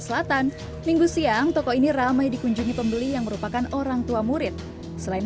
selatan minggu siang toko ini ramai dikunjungi pembeli yang merupakan orang tua murid selain